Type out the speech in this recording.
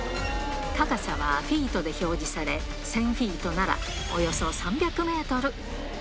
高さはフィートで表示され、１０００フィートならおよそ３００メートル。